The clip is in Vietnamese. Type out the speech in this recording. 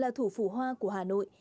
là thủ phủ hoa của hà nội